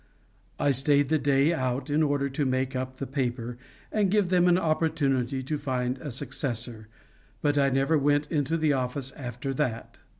I stayed the day out in order to make up the paper and give them an opportunity to find a successor, but I never went into the office after that.